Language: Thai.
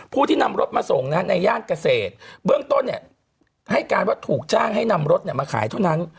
ผู้ที่นำรถมาส่งในย่านเกษตรเบื้องต้นเนี่ยให้การว่าถูกจ้างให้นำรถมาขายเท่านั้น